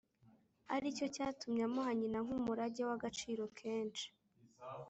ari cyo cyatumye amuha nyina nk’umurage w’agaciro kenshi